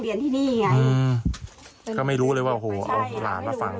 เยี่ยมที่นี่นะมันจะพาลูกมาเข้าโรงเดียนที่นี่ไงก็ไม่รู้